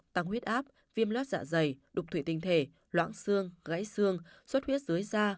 tăng huyết áp viêm loét dạ dày đục thủy tinh thể loãng xương gãy xương xuất huyết dưới da